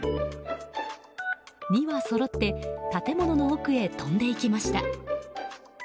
２羽そろって建物の奥へ飛んでいきました。